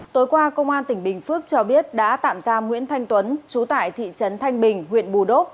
tối qua công an tỉnh bình phước cho biết đã tạm giam nguyễn thanh tuấn chú tại thị trấn thanh bình huyện bù đốc